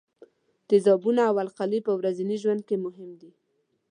تیزابونه او القلي په ورځني ژوند کې مهم دي.